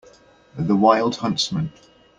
The wild huntsman.